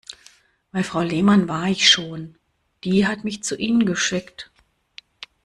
Bei Frau Lehmann war ich schon, die hat mich zu Ihnen geschickt.